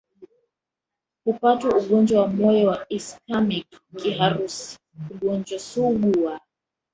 kupatwana ugonjwa wa moyo wa ischaemic kiharusi ugonjwa sugu wa